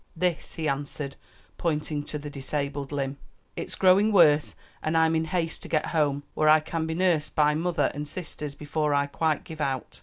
"This," he answered, pointing to the disabled limb; "it's growing worse, and I'm in haste to get home, where I can be nursed by mother and sisters, before I quite give out."